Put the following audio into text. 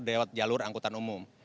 lewat jalur angkutan umum